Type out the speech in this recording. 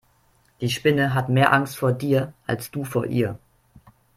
Die Spinne hat mehr Angst vor dir als du vor ihr.